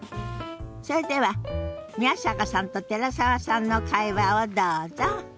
それでは宮坂さんと寺澤さんの会話をどうぞ。